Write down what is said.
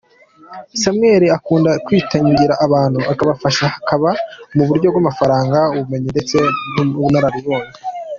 Samuel akunda kwitangira abantu, akabafasha haba mu buryo bw’amafaranga, ubumenyi ndetse n’ubunararibonye.